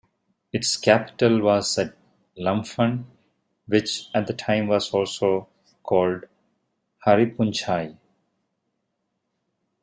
Its capital was at Lamphun, which at the time was also called Hariphunchai.